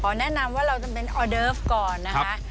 แนะนำว่าเราจะเป็นออเดิฟก่อนนะคะ